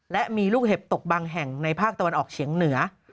และมีลูกเห็บตกบางแห่งในภาคตะวันออกเฉียงเหนือ